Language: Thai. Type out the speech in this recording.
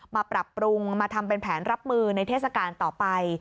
ปรับปรุงมาทำเป็นแผนรับมือในเทศกาลต่อไป